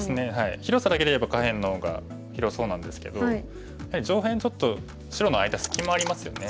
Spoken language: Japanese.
広さだけで言えば下辺の方が広そうなんですけどやはり上辺ちょっと白の間隙間ありますよね。